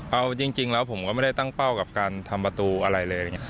เอาจริงแล้วผมก็ไม่ได้ตั้งเป้ากับการทำประตูอะไรเลย